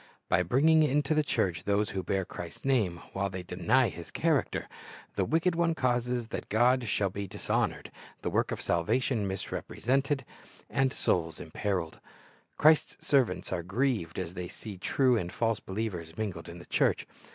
By bringing into the church those who bear Christ's name while they deny His character, the wicked one causes that God shall be dishonored, the work of salvation misrepresented, and souls imperiled. Christ's servants are grieved as they see true and false believers mingled in the church.